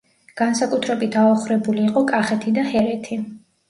განსაკუთრებით აოხრებული იყო კახეთი და ჰერეთი.